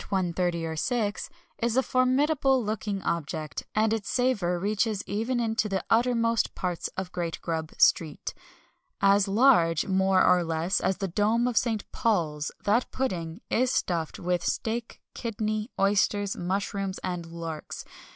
30 and 6.0, is a formidable looking object, and its savour reaches even into the uttermost parts of Great Grub Street. As large, more or less, as the dome of St. Paul's, that pudding is stuffed with steak, kidney, oysters, mushrooms, and larks.